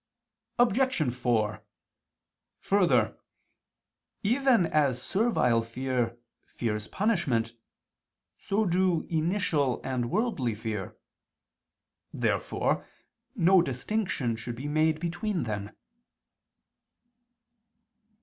Obj. 4: Further, even as servile fear fears punishment, so do initial and worldly fear. Therefore no distinction should be made between them.